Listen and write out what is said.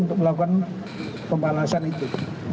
untuk melakukan pembalasan itu